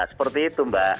seperti itu mbak